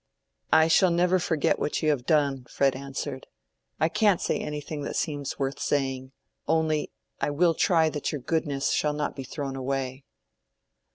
"I shall never forget what you have done," Fred answered. "I can't say anything that seems worth saying—only I will try that your goodness shall not be thrown away."